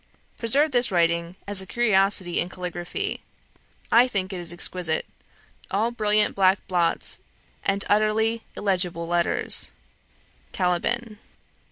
Preserve this writing as a curiosity in caligraphy I think it is exquisite all brilliant black blots, and utterly illegible letters. 'CALIBAN.'